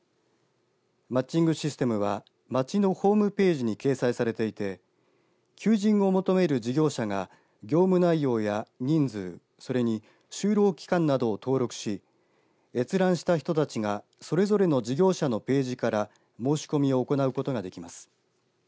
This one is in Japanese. マッチングシステムは町のホームページに掲載されていて求人を求める事業者が業務内容や人数、それに就労期間などを登録し閲覧した人たちがそれぞれの事業者のページから申し込みを行うことができます。